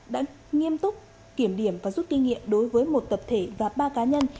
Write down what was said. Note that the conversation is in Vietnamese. đã nghiêm túc kiểm điểm và rút kinh nghiệm đối với một tập thể và ba cá nhân